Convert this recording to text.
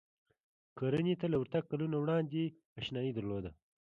کرنې ته له ورتګ کلونه وړاندې اشنايي درلوده.